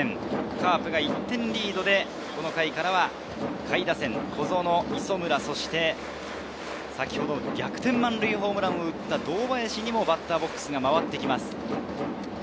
カープが１点リードで、この回からは下位打線、小園、磯村、逆転満塁ホームランを打った堂林にもバッターボックスが回ってきます。